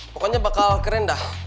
pokoknya bakal keren dah